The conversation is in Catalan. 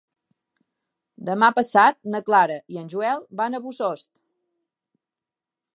Demà passat na Clara i en Joel van a Bossòst.